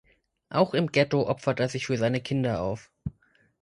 Auch im Ghetto opfert er sich für seine Kinder auf.